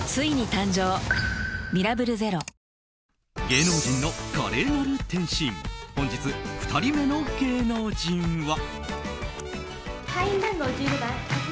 芸能人の華麗なる転身本日２人目の芸能人は。